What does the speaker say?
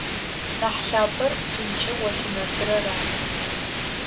Нахь лъапӏэр къинкӏэ узлъынэсырэр ары.